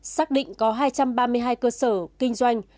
xác định có hai trăm ba mươi hai cơ sở kinh doanh